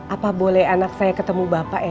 apa boleh anak saya ketemu bapak ya